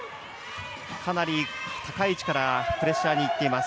かなり、高い位置からプレッシャーにいっています。